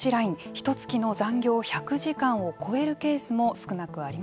ひとつきの残業１００時間を超えるケースも少なくありません。